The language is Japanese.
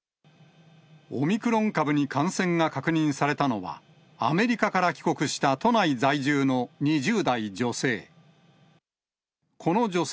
オミクロン株に感染が確認されたのは、アメリカから帰国した都内在住の２０代女性。